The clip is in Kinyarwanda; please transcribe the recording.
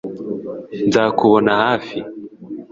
nzakubona hafi